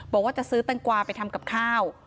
บอกว่าจะซื้อแตงกวาไปทำกับข้าว